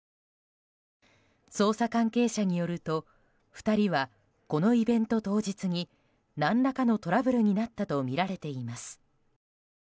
捜査関係者によると２人はこのイベント当日に何らかのトラブルになったとみられています。